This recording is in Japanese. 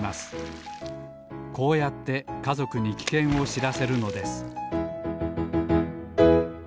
こうやってかぞくにきけんをしらせるのです